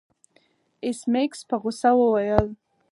ایس میکس په غوسه وویل